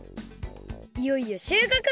いよいよ収穫！